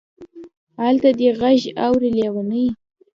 الته دې غږ اوري لېونۍ.